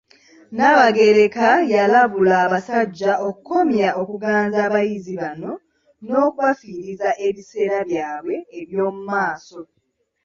Nnaabagereka yalabula abasajja okukomya okuganza abayizi bano n'okubafiiriza ebiseera byabwe eby'omu maaso.